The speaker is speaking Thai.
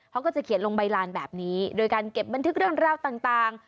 เขาก็จะเขียนลงใบลานแบบนี้โดยการเก็บบันทึกเรื่องราวต่าง